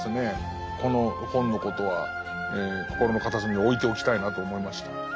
この本のことは心の片隅に置いておきたいなと思いました。